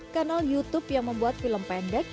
kanal youtube yang membuat film pendek